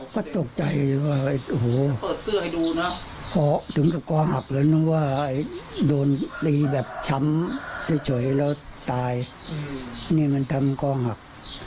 ก็ตกใจว่าโอ้โหถึงกับคอหักแล้วนึกว่าโดนตีแบบช้ำเฉยแล้วตายนี่มันทำคอหัก